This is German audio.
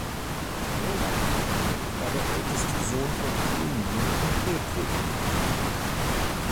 Roland Meinl war der älteste Sohn von Emil und Hedwig Meinl.